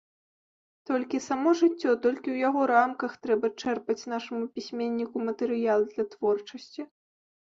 Толькі само жыццё, толькі ў яго рамках трэба чэрпаць нашаму пісьменніку матэрыял для творчасці.